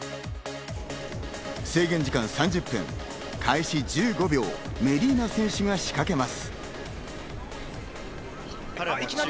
制限時間３０分、開始１５秒、メディーナ選手が仕掛けます。